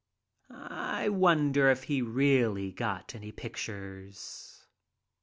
I wonder if he really got any pictures.